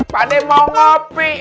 padahal mau ngopi